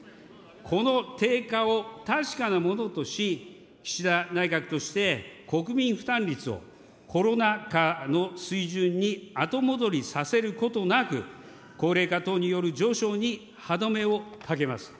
この低下を確かなものとし、岸田内閣として国民負担率を、コロナ禍の水準に後戻りさせることなく、高齢化等による上昇に歯止めをかけます。